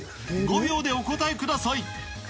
５秒でお答えください。